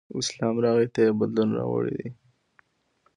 اسلام راغی ته یې بدلون راوړی دی.